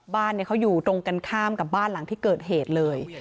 บ้านเขาอยู่ตรงกันข้ามกับบ้านหลังที่เกิดเหตุเลย